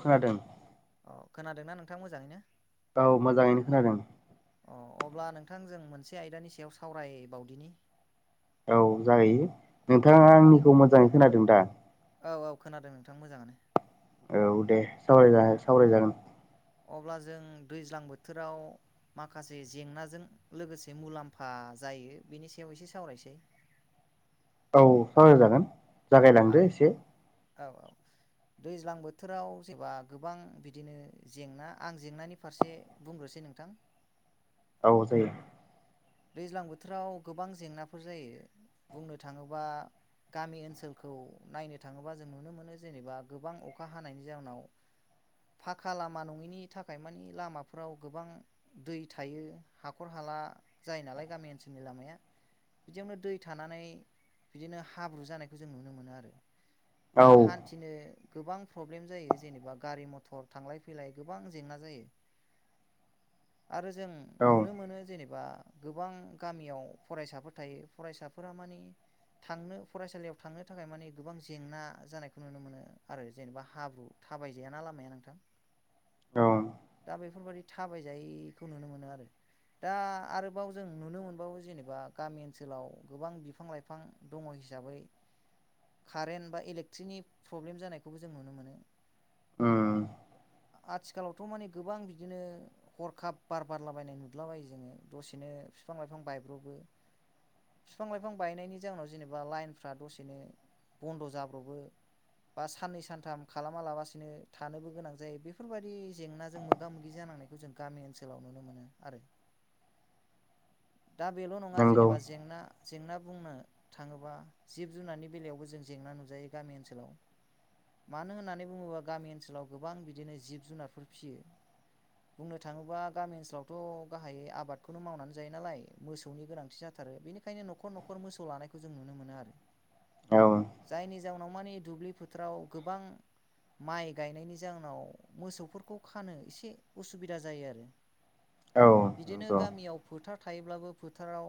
खोनादों। अ खोनादोंना नोंथां मोजाङैनो? औ मोजाङैनो खोनादों। अ अब्ला नोंथां जों मोनसे आयदानि सायाव सावरायबावदिनि। औ जाहोयो औ नोंथाङा। आंनिखौ मोजाङै खोनादों दा? औ औ खोनादों नोंथां मोजाङानो। औ दे सावराय सावराय जागोन। अब्ला जों दैज्लां बोथोराव माखासे जेंनाजों लोगोसे मुलाम्फा जायो बेनि सायाव एसे सावरायसै औ सावराय जागोन औ जागायलांदो आं एसे। औ औ। दैज्लां बोथोराव जेन'बा गोबां बिदिनो जेंना आं जेंनानि फारसे बुंग्रोसै। एसे नोंथां। औ जायो। दैज्लां बोथोराव गोबां जेंनाफोर जायो बुंनो थाङोबा। गामि ओनसोलखौ नायनो थाङोबा जों नुनो मोनो जेनेबा गोबां अखा हानायनि जाउनाव फाखा लामा नङिनि थाखाय मानि लामाफोराव गोबां दै थायो हाखर हाला जायो नालाय गामि ओनसोलनि लामाया बिदियावनो दै थानानै बिदिनो हाब्रु जानायखौ जों नुनो मोनो आरो औ दा हान्थिनो गोबां प्रब्लेम जायो जेनेबा गारि मथर थांलाय फैलाय गोबां जेंना जायो। आरो जों औ नुनो मोनो जेनेबा गोबां गामियाव फरायसाफोर थायो फरायसाफोरा मानि। थांनो फरायसालियाव थांनो थाखाय मानि गोबां जेंना जानायखौ नुनो मोनो आरो जेनेबा हाब्रु थाबाय जायाना लामाया नोंथां। औ दा बेफोर बायदि थाबाय जायैखौ नुनो मोनो आरो दा आरो। आरोबाव जों नुनो मोनबावो जेनेबा गामि ओनसोलाव गोबां बिफां लाइफां दङ हिसाबै कारेन्ट बा इलेकट्रिकनि प्रब्लेम जानायखौबो जों नुनो मोनो। ओम। आथिखालावथ' माने गोबां बिदिनो हरखाब बार बारलाबायनाय नुदलाबायो जोङो दसेनो बिफां लाइफां बायब्र'बो, बिफां लाइफां बायनायनि जाहोनाव जेनेबा लाइनफ्रा दसेनो बन्द' जाब्र'बो, बा साननै सानथाम खालामालाबसिनो थानोबो गोनां जायो बेफोरबायदि जेंनाजों मोगा मोगि जा नांनायखौ जों गामि ओनसोलाव नुनो मोनो आरो। दा बेल' नङा नंगौ जेनेबा जेंना जेंना बुंनो थाङोबा जिब जुनारनि बेलायावबो जों जेंना नुजायो गामि ओनसोलाव मानो होननानै बुङोबा गामि ओनसोलाव गोबां बिदिनो जिब जुनारफोर फिसियो बुंनो थाङोबा गामि ओनसोलावथ' गाहायै आबाद खौनो मावनानै जायो नालाय मोसौनि गोनांथि जाथारो। बेनिखायनो न'खर न'खर मोसौ लानायखौ जों नुनो मोनो आरो। औ। जायनि जाउनाव मानि दुब्लि फोथाराव गोबां माइ गायनायनि जाहोनाव मोसौफोरखौ खानो एसे उसुबिदा जायो आरो औ बिदिनो नंगौ गामियाव फोथार थायोब्लाबो फोथाराव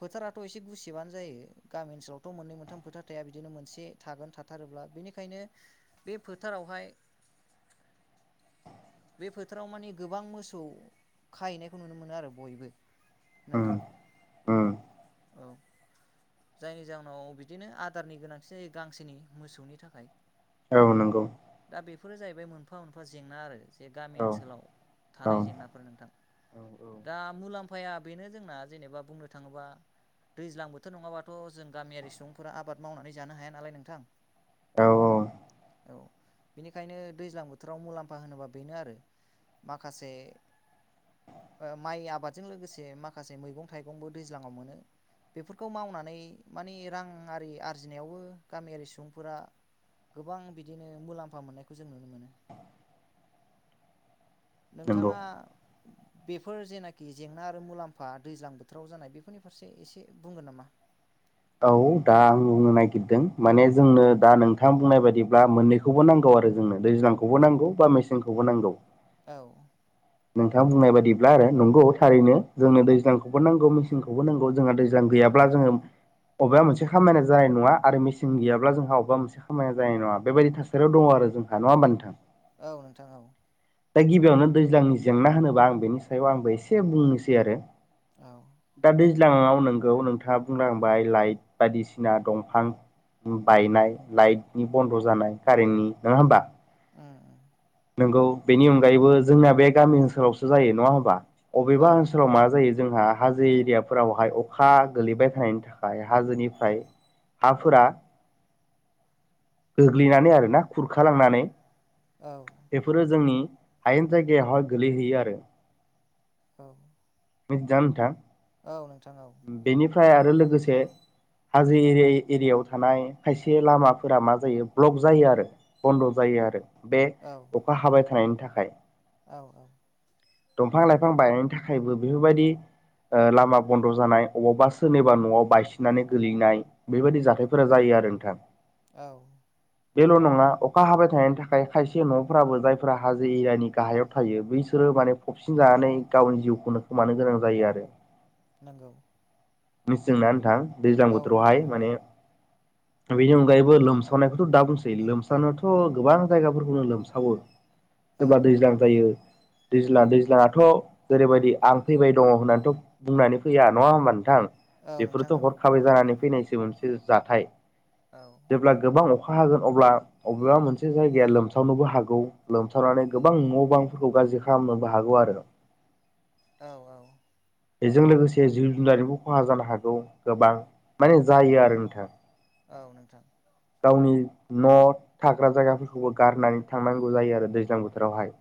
फोथाराथ' एसे गुसेबानो जायो। गामि ओनसोलावथ' मोननै मोनथाम फोथार थाया बिदिनो मोनसे थागोन थाथारो ब्ला बेनिखायनो बे फोथारावहाय बे फोथोराव मानि गोबां मोसौ खाहैनायखौ नुनो मो- नो आरो बयबो उम नोंथां उम औ जायनि जाहोनाव बिदिनो आदारनि गोनांथि जायो गांसोनि मोसौनि थाखाय औ नंगौ दा बेफोरो जाहैबाय मोनफा मोनफा जेंना आरो, जे गामि औ ओनसोलाव औ थानाय जेंनाफोर नोंथां, दा मुलाम्फाया बेनो जोंना जेनेबा बुंनो थाङोबा दैज्लां बोथोर नङाबाथ' जों गामियारि सुबुंफोरा आबाद मावनानै जानो हाया नालाय नोंथां औ औ औ बिनिखायनो दैज्लां बोथोराव मुलाम्फा होनोबा बेनो आरो माखासे माइ आबादजों लोगोसे माखासे मैगं थाइगंबो दैज्लाङाव मोनो बेफोरखौ मावनानै मानि रां आरि आरजिनायावबो गामियारि सुबुंफोरा गोबां बिदिनो मुलाम्फा मोननायखौ जों नुनो मोनो। नंगौ नोंथाङा बेफोर जेनाखि जेंना आरो मुलाम्फा दैज्लां बोथोराव जानाय बेफोरनि फारसे एसे बुंगोन नामा औ दा आं बुंनो नागिरदों माने जोंनो दा नोंथां बुंनाय बायदिब्ला मोननैखौबो नांगौ आरो जोंनो दैज्लांखौबो नांगौ बा मेसेंखौबो नांगौ औ नोंथाङा बुंनाय बायदिब्ला आरो। नंगौ थारैनो जोंनो दैज्लांखौबो नांगौ मेसेंखौबो नांगौ जोंहा दैज्लां गैयाब्ला जोङो बबेबा मोनसे खामानिया जानाय नङा आरो मेसें गैयाब्ला जोंहा अबेबा मोनसे खामानिया जानाय नङा बेबायदि थासारियाव दङ आरो। आरो जोंहा नङा हेनबा नोथां औ नोंथां औ दा गिबियावनो दैज्लांनि जेंना होनोबा आं बेनि सायाव आंबो एसे बुंनोसै आरो औ दा बे सिगाङाव नोंगौ नोंथाङा बुंनांबाय लाइट बायदिसिना दंफां बायनाय, लाइटनि बन्द' जानाय कारेन्टनि नङा होमबा उम नंगौ बेनि अनगायैबो जोंना बे गामि ओनसोलावसो जायो नङा होनबा अबेबा औ ओनसोलाव मा जायो जोंहा हाजो एरियाफोरावहाय अखा गोलैबाय थानायनि थाखाय हाजोनिफ्राय हाफोरा गोग्लैनानै आरो ना खुरखालांनानै औ बेफोरो जोंनि हायेन जायगायाव हाय गोलैहैयो आरो। औ मि जा नोंथां औ नोंथां औ फ्राय आरो लोगोसे हाजो एरिया एरियायाव थानाय खायसे लामाफोरा मा जायो ब्लक जायो आरो बन्द' जायो आरो। बे औ अखा हाबाय थानायनि थाखाय। औ औ दंफां लाइफां बायनायनि थाखायबो बेफोरबायदि ओ लामा बन्द' जानाय, अबावबा सोरनिबा न'आव बायसिननानै गोलैनाय बेबायदि जाथायफोरा जायो आरो नोंथां। औ बेल' नङा अखा हाबाय थानायनि थाखाय खायसे न'फ्राबो जायफोरा हाजो एरियानि गाहायाव थायो बैसो रो माने फबसिन जानानै गावनि जिउखौनो खोमानो गोनां जायो आरो। नोंगौ मिसिं ना नोंथां दैज्लां बोथोरावहाय माने बेनि अनगायैबो लोमसावनायखौथ' दा बुंसै, लोमसावनायाथ' गोबां जायगाफोरखौनो लोमसावो औ सोरबा दैज्लां जायो दैज्लां दैज्लाङाथ' जेरैबायदि आं फैबाय दङ होननानैथ' बुंनानै फैया नङा होमबा नोंथां औ नोंथां बेफोरथ' औ हरखाबै जानानै फैनायसो मोनसे जाथाय। औ जेब्ला गोबां अ खा हागोन अब्ला अबेबा मोनसे जायगाया लोमसावनोबो हागौ। लोमसावनानै गोबां न' बांफोरखौ गा ज्रि खालामनोबो हागौ आरो। औ औ बेजों लोगोसे जिब जुनारनिबो खहा जानो हागौ गोबां। माने जायो आरो नोंथां। औ नोंथां गावनि न' थाग्रा जायगाफोरखौबो गारनानै थांनांगौ जायो आरो दैज्लां बोथोरावहाय।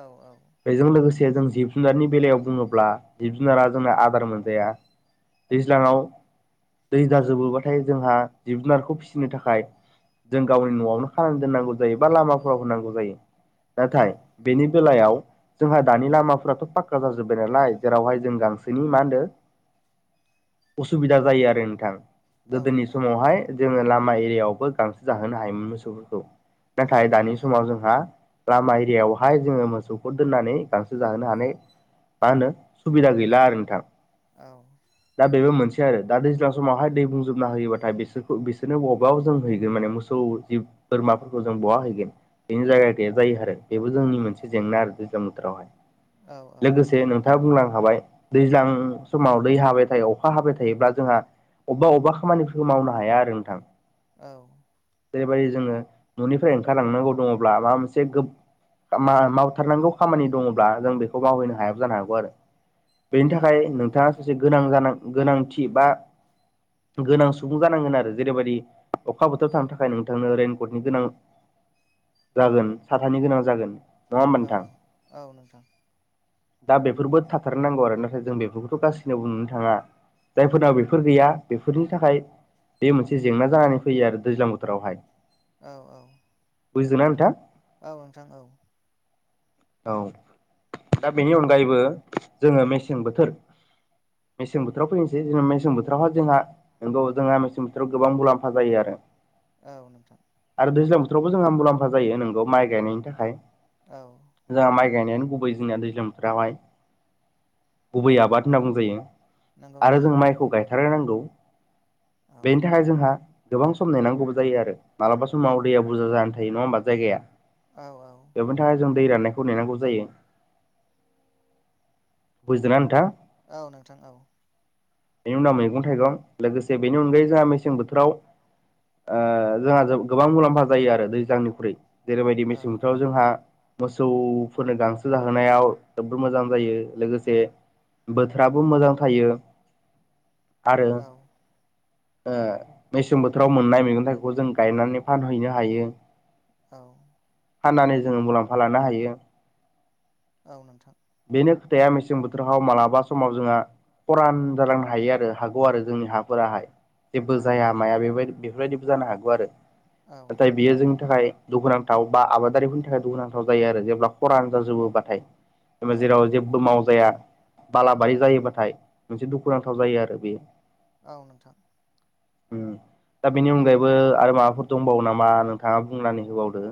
औ औ जे जों जिब जुनारनि बेलायाव बुङोब्ला जिब जुनारा जोंना आदार मोनजाया‌। दैज्लाङाव दै जाजोबो बाथाय जोंहा जिब जुनारखौ फि नो थाखाय जों गावनि न'आवनो खानानै दोननांगौ जायो बा लामाफोराव दोननांगौ जायो। औ नाथाय बेनि बेलायाव जोंहा दानि लामाफोराथ' पाक्का जाजोब्बाय नालाय जेरावहाय जों गांसोनि मा होनदों उसुबिदा जायो आरो नोंथां‌ औ गोदोनि नोंथां समावहाय जोङो लामा एरियायावबो गांसो जाहोनो हायोमोन मोसौफोरखौ। औ नाथाय दानि समाव जोंहा लामा एरियायावहाय जोङो मोसौखौ दोननानै गांसो जाहोनो हानाय मा होनो सुबिदा गैला आरो नोंथां। औ दा बेबो मोनसे आरो। दा दैज्लां समावहाय दै बुंजोबना होयोबाथाय बिसोरखौ बिसो रनो बबाव जों हैगोन माने मोसौ जिब बोरमाफोरखौ जों बहा हैगोन बेनि जायगा गैया जायो आरो। बेबो जोंनि मोनसे जेंना आरो दैज्लां बोथोरावहाय। औ लोगोसे नों थाङा बुंलांखाबाय दैज्लां समाव दै हाबाय थायो अखा हाबाय थायोब्ला जोंहा अबेबा अबेब खामानिफोरखौ मावनो हाया आरो नोंथां औ जेरैबायदि जोङो न'निफ्राय ओंखारलांनांगौ दङब्ला माबा मोनसे गो खामा मावथारनांगौ खामानि दङब्ला जों बेखौ मावहैनो हायाबो जानो हागौ आरो। बेनि थाखाय नोंथाङा मासे गोनां जानां-गोनांथि बा गोनां सुबुं जानांगोन आरो। जेरैबायदि अखा बोथोराव थानो थाखाय नोंथांनो रइेनकटनि गोनां जागोन साथानि गोनां जागोन। नङा होमबा औ नोंथां औ नोंथां। दा बेफोरबो थाथारनांगौ आरो नाथाय जों बेफोरखौथ' गासैनोबो नुनो थाङा। जायफोरनाव बेफोर गैया बेफोरनि थाखाय बे मोनसे जेंना जानानै फैयो आरो दैज्लां बोथोरावहाय। औ औ। बुजिदों ना नोंथां? औ नोंथां औ। औ। दा बेनि अनगायैबो, जोङो मेसें बोथोर मेसें बोथोराव फैनोसै जेन मेसें बोथोरावहा जोंहा नंगावो जोंहा मेसें बोथोराव गोबां मुलाम्फा जायो आरो। औ नोंथां। दा दैज्लां बोथोरावबो जोंहा मुलाम्फा जायो नोंगौ माइ गायनायनि थाखाय। औ। जोंहा माइ गायनायानो गुबै जोंनिना दैज्लांफ्राहाय। गुबै आबाद होनना बुंजायो। नंगौ आरो नोंथां जों माइखौ गायथारनांगौ। औ बेनि थाखाय जोंहा गोबां सम नेनांगौबो जायो आरो। मालाबा औ समाव दैया बुरजा जानानै थायो नङा होमबा। जायगाया औ औ बेफोरनि थाखाय जों दै राननायखौ नेनांगौ जायो बुजिदोंना नोंथां औ नोंथां औ बेनि उनाव मैगं थाइगं लोगोसे बेनि अनगायै जोंहा मेसें बोथोराव ओ जोंहा गोबां मुलाम्फा जायो आरो दैज्लांनिख्रुइ जेरैबायदि औ मेसें बोथोराव जोंहा मो सौफोरनो गांसो जाहोनायाव जबोद मोजां जायो लोगोसे बोथोराबो मोजां थायो। [inaudible] आरो औ ओ मेसें बोथोराव मोननाय मैगं थाइगंखौ जों गायनानै फानहैनो हायो। औ फाननानै जोंङो मुलाम्फा लानो हायो। औ नोंथां बेनो खोथाया मेसें बोथोराव मालाबा समाव जोंहा खरान जालांनो हायो आरो हागौ आरो जोंनि हाफोराहाय। जेबो औ जाया माया बेबाय बेफोरबायदिबो जानो हागौ आरो नाथाय बियो जोंनि थाखाय दुखुनांथाव बा आबादारिफोरनि थाखाय दुखुनांथाव जायो आरो जेब्ला खरानो जाजोबोबाथाय। जेनेबा औ जेराव जेबो मावजाया बालाबारि जायोबाथाय मोनसे दुखुनांथाव जायो आरो बे। औ नोंथां उम दा बेनि अनगायैबो आरो माबाफोर दंबावो नामा नोंथाङा बुंनानै होबावदो।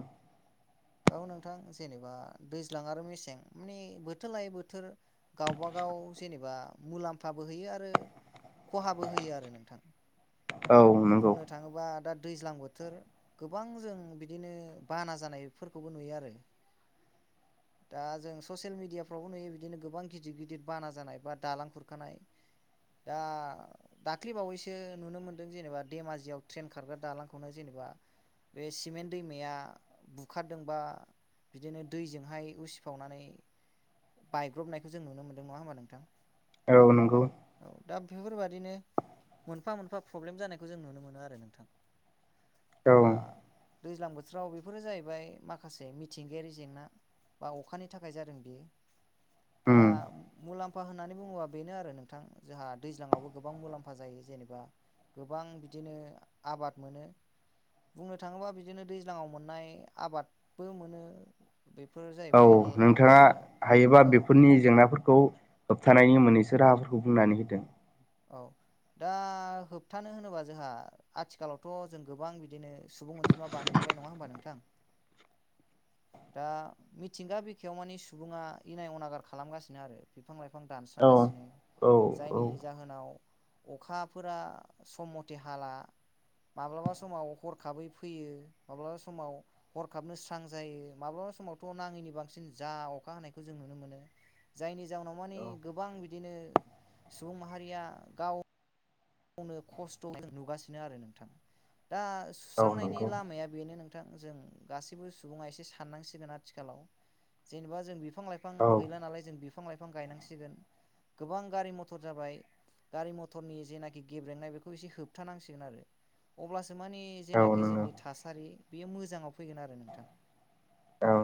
औ नोंथां जेनेबा दैज्लां आरो मेसें माने बोथोर लायै बोथोर गावबागा व जेनेबा मुलाम्फाबो होयो आरो खहाबो होयो आरो नोंथां। औ नंगौ बुंनो थाङोबा दा दैज्लां बोथोर गोबां जों बिदिनो बाना जानायफोरखौबो नुयो आरो। [inaudible] दा जों ससियेल मिडियाफ्रावबो नुयो बिदिनो गोबां गिदिर गिदिर बाना जानाय बा दालां खुरखानाय दा दाख्लिबावैसो नुनो मोनदों जेनेबा धेमाजियाव ट्रेन खारग्रा दालांखौनो जेनेबा बे सिमेन्ट दैमाया बुखारदोंबा बिदिनो दैजोंहाय उसिफावनानै बायग्रबनायखौ जों नुनो मोनदों नङा होमबा नोंथां। औ नोंगौ औ दा बेफोरबादिनो मोनफा मोनफा प्रब्लेम जानायखौ जों नुनो मोनो आरो नोंथां। औ दा दैज्लां बोथोराव बेफोरो जाहैबाय माखासे मिथिंगायारि जेंना बा अखानि थाखाय जादों बेयो दा उम मुलाम्फा होननानै बुङोबा बेनो आरो नोंथां जोंहा दैज्लाङावबो गोबां मुलाम्फा जायो। जेनेबा गोबां बिदिनो आबाद मोनो बुंनो थाङोबा बिदिनो दैज्लाङाव मोननाय आबादबो मोनो बेफोर औ जाहैबाय ओ नोंथाङा हायोबा औ बेफोरनि जेंनाफोरखौ होबथानायनि मोननैसो राहाफोरखौ बुंनानै होदो। औ दा होबथानो होनोबा जोंहा आथिखालावथ जों गोबां बिदिनो सुबुं अनजिमा बांबोबाय नङा होमबा नोंथां दा मिथिंगा बिखायाव माने सुबुङा इनाय अनागार खालामगासिनो आरो। बिफां लाइफां औ दानस्रांगासिनो औ औ जायनि जाहोनाव अखाफोरा सम मथे हाला माब्लाबा समाव हरखाबै फैयो माब्लाबा समाव हरखाबनो स्रां जायो। माब्लाबा समावथ नाङैनि बांसिन जा अखा हानायखौ जों नुनो मोनो जायनि जाउनाव मानि औ गोबां बिदिनो सुबुं माहारिया गाव गावनो खस्थ जों नुगासिनो आरो नोंथाङा दा औ सुस्रांनायनि नंगौ लामाया बेनो नों थां जों गसिबो सुबुंआ साननांसिगोन आथिखालाव जेबा जों बि फां लाइफां औ गैला नालाय जों बि फां लाइफां गायनांसिगोन गोबां गारि मथर जाबाय गारि मथरनि जेना गेब्रेंनाय बेखौ एसे होबथानांसिगोन आरो। अब्लासो औ मानिजेनाखि नंगौ जोंनि थासारि बेयो मोजाङाव फैगोन आरो नोंथां। औ।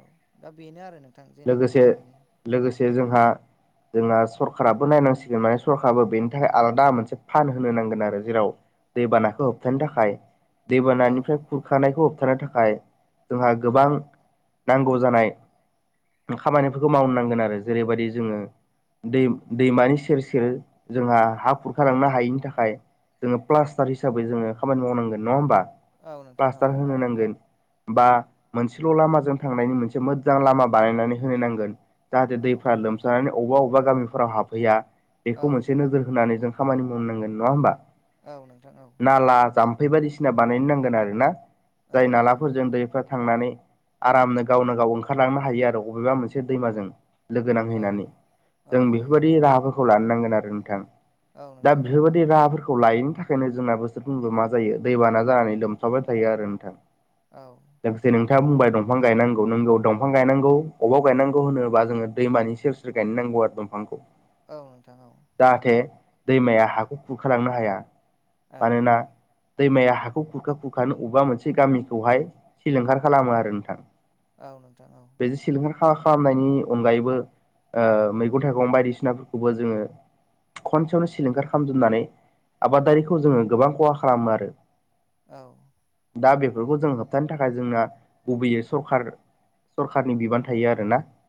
औ दा बेनो आरो नों लोगोसे लोगोसे जोंहा जोंना सर काराबो नायनांसिगोन माने सरकाराबो बेनि थाखाय आलादा मोनसे फान होनो नांगोन आरो जेराव दैबानाखौ होबथानो थाखाय औ दैबानानिफ्राय खुरखानायखौ होबथानो थाखाय जोंहा गोबां नांगौ जानाय खामानिफोरखौ मावनो नांगोन आरो। जेरैबायदि जोङो दै दैमानि सेर सेर जोंहा हा खुरखालांनो हायैनि थाखाय जोङो प्लास्टार हिसाबै जोङो खामानि मावनांगोन नङा होमबा? औ नोंथां औ प्लास्टार होनो नांगोन। बा मोनसेल लामाजों थांनायनि मोनसे मोजां लामा बानायनानै होनो नांगोन। जाहाथे औ दैफ्रा लोमजानानै अबा अबा गामिफोराव हाबहैया औ बेखौ मोनसे नोजोर होनानै जों खामानि मावनांगोन नङा होमबा? औ नोंथां औ। बेै बायदिसिना बानायनो नांगोन आरो ना औ जाय नालाफोरजों दैफ्रा थांनानै आरामनो गावनो गाव ओंखारलांनो हायो आरो अबेबा मोनसे दैमाजों। लोगो नांहैनानै औ जों बेफोरबायदि राहाफोरखौ लानो नांगोन आरो नोंथां। औ दा नोंथां बेफोरबायदि राहाफोर खौ लायैनि थाखायनो जोंना बोसोरफ्रबो मा जायो दैबाना जानानै लोमसावबाय थायो आरो नोंथां। औ लोगोसे नोंथाङा बुंबाय दंफां गायनांगौ नों बेयाव दं दंफां गायनांगौ अबाव गायनांगौ होनोबा जोङो दैमानि सेर सेर गायनांगौ आरो दंफांखौ। औ नोंथां औ। जाहाथे दैमाया हाखौ खुरखालांनो हाया। औ मानोना दैमाया हाखौ खुरखा खुरखानो अबेबा मोनसे गामिखौहाय सिलिंखार खालामो आरो नोंथां। औ नोंथां औ। हा खालामनायनि अनगायैबो मैगं थाइगं बायदिसिनाफोरखौबो जोङो खनसेयावनो सिलिंखार खालामजोबनानै आबादारिखौ जोङो गोबां खहा खालामो आरो। औ। दा बेफोरखौ जों होबथानो थाखाय जोंना गुबैयै सरखार सरखारानि बिबान थायो आरो ना।